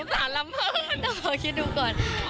สงสารลำเพิร์น